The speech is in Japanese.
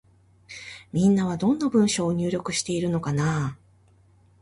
みんなは、どんな文章を入力しているのかなぁ。